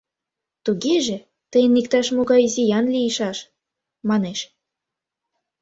— Тугеже, тыйын иктаж-могай зиян лийшаш, — манеш.